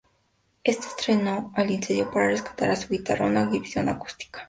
Este entró al incendio para rescatar a su guitarra, una Gibson acústica.